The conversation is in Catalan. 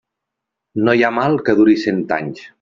No hi ha mal que duri cent anys.